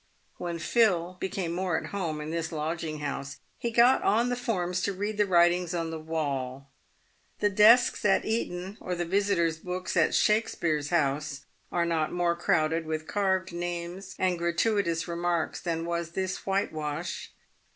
"When Phil became more at home in this lodging house, he got on the forms to read the writings on the wall. The desks at Eton, or the visitors' book at Shakspeare's house, are not more crowded with carved names and gratuitous remarks than was this whitewash.